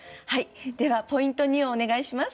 ではポイント２をお願いします。